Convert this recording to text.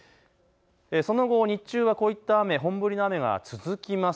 その後、日中はこういった雨、本降りの雨が続きます。